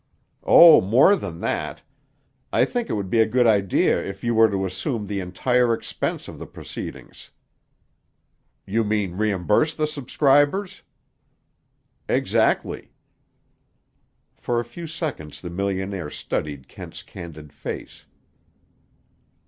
"Oh, more than that. I think it would be a good idea if you were to assume the entire expense of the proceedings." "You mean reimburse the subscribers?" "Exactly." For a few seconds the millionaire studied Kent's candid face.